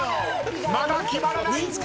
まだ決まらない。